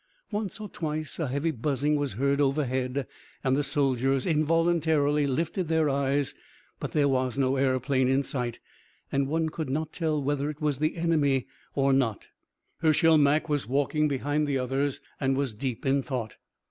Once or twice, a heavy buzzing was heard overhead, and the soldiers involuntarily lifted their eyes, but there was no aeroplane in sight, and one could not tell whether it was the enemy or not. Hershel Mak was walking behind the others, and was deep in thought.